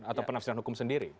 atau penafsiran hukum sendiri